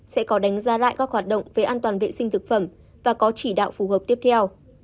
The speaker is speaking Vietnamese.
sẽ có đánh giá lại các hoạt động về an toàn vệ sinh thực phẩm và có chỉ đạo phù hợp tiếp theo